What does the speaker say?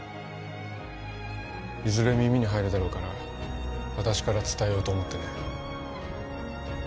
いずれ耳に入るだろうから私から伝えようと思ってね